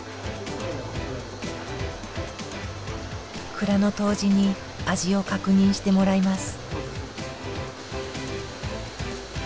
蔵の杜氏に味を確認してもらいます。